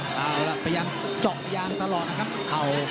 เอาล่ะพยายามเจาะยางตลอดนะครับเข่า